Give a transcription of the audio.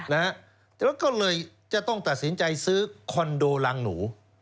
แล้วก็เลยจะต้องตัดสินใจซื้อคอนโดรังหนู